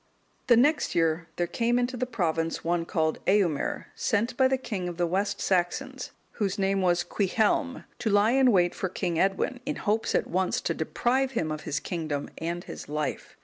(212) The next year there came into the province one called Eumer, sent by the king of the West Saxons, whose name was Cuichelm,(213) to lie in wait for King Edwin, in hopes at once to deprive him of his kingdom and his life.